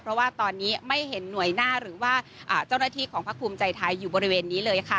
เพราะว่าตอนนี้ไม่เห็นหน่วยหน้าหรือว่าเจ้าหน้าที่ของพักภูมิใจไทยอยู่บริเวณนี้เลยค่ะ